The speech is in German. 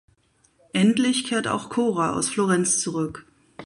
Endlich kehrt auch Cora aus Florenz zurück.